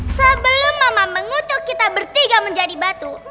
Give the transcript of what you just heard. sebelum mama mengutuk kita bertiga menjadi batu